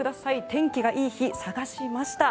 天気がいい日を探しました。